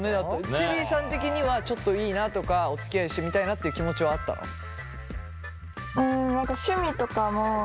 チェリーさん的にはちょっといいなとかおつきあいしてみたいなっていう気持ちはあったの？え！？